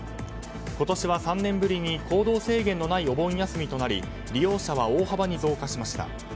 今年は３年ぶりに行動制限のないお盆休みとなり利用者は大幅に増加しました。